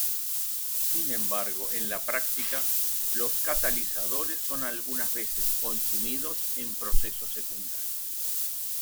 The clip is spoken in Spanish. Sin embargo, en la práctica los catalizadores son algunas veces consumidos en procesos secundarios.